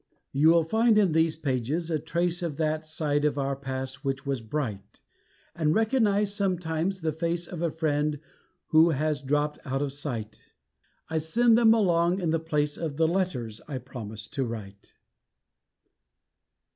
You will find in these pages a trace of That side of our past which was bright, And recognise sometimes the face of A friend who has dropped out of sight I send them along in the place of The letters I promised to write.